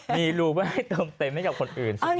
มีลูกไว้ให้เติมเต็มให้กับคนอื่นสุดยอด